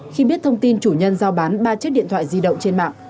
khi biết thông tin chủ nhân giao bán ba chiếc điện thoại di động trên mạng